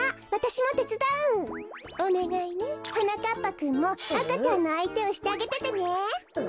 ぱくんもあかちゃんのあいてをしてあげててねえ。